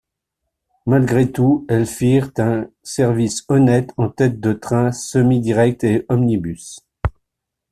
Malgré tout elles firent un service honnête en tête de trains semi-directs et omnibus.